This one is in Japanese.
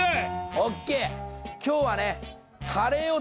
今日はね